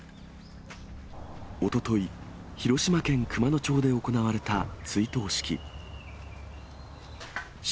おととい、広島県熊野町で行われた追悼式。